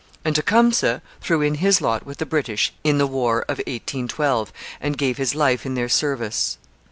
And Tecumseh threw in his lot with the British in the War of 1812 and gave his life in their service.